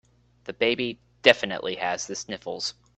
The baby definitely has the sniffles.